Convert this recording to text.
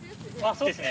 そうですね。